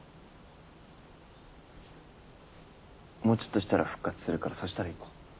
もうちょっとしたら復活するからそしたら行こう。